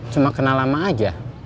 cuma kena lama aja